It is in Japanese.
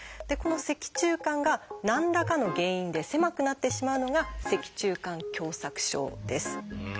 でこの脊柱管が何らかの原因で狭くなってしまうのが「脊柱管狭窄症」です。